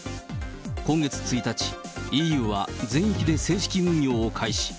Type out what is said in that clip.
今月１日、ＥＵは全域で正式運用を開始。